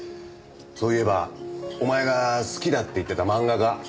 そういえばお前が好きだって言ってた漫画家。